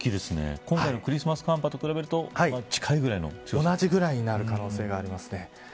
今回のクリスマス寒波と比べると同じぐらいになる可能性があります。